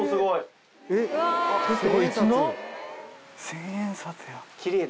千円札や。